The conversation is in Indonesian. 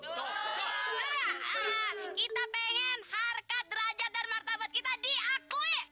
aduh apa apa ya maduh